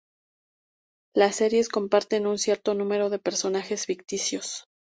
Las series comparten un cierto número de personajes ficticios.